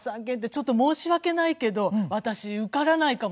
ちょっと申し訳ないけど私受からないかもしれないわ。